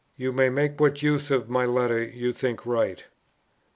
"You may make what use of my letters you think right."